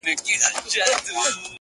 پېړۍ وړاندي له وطن د جادوګرو،